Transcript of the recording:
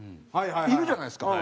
いるじゃないですか。